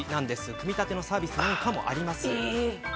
組み立てのサービスなんかもあります。